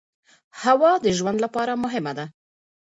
هوا د ژوند لپاره مهمه ده.